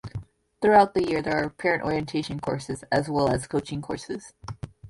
Throughout the year, there are parent orientation courses as well as coaching courses.